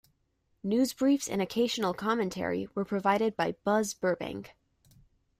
News briefs and occasional commentary were provided by Buzz Burbank.